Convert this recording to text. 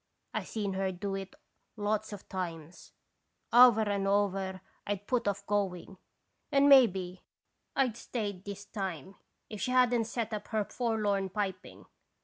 I seen her do it lots of times. Over and over I 'd put off going, and maybe I 'd stayed this time if she hadn't set up her forlorn piping.